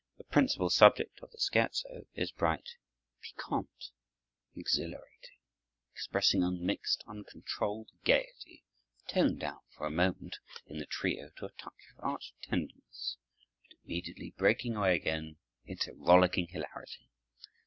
The principal subject of the scherzo is bright, piquant, exhilarating; expressing unmixed, uncontrolled gaiety, toned down for a moment in the trio to a touch of arch tenderness, but immediately breaking away again into rollicking hilarity.